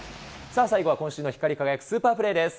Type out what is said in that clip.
さあ、最後は今週の光り輝くスーパープレーです。